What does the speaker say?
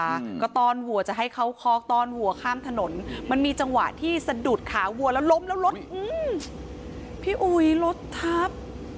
อืมก็ต้อนวัวจะให้เขาคอกต้อนวัวข้ามถนนมันมีจังหวะที่สะดุดขาวัวแล้วล้มแล้วรถอืมพี่อุ๋ยรถทับ